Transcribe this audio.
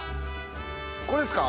これですか？